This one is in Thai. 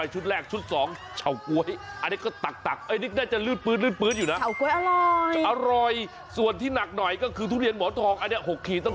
หนมโก้ติดคอเลยจ้าง